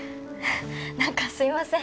なんかすいません。